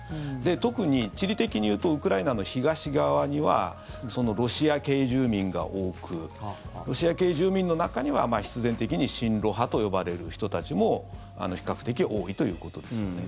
特に、地理的に言うとウクライナの東側にはロシア系住民が多くロシア系住民の中には必然的に親ロ派と呼ばれる人たちも比較的多いということですよね。